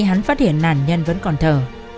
hắn phát hiện nạn nhân vẫn còn thờ